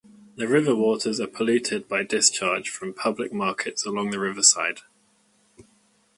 The river waters are polluted by discharge from public markets along the riverside.